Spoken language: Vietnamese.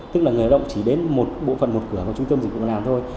tức là người lao động chỉ đến một bộ phận một cửa vào trung tâm dịch vụ việc làm thôi